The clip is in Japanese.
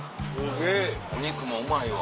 お肉もうまいわ。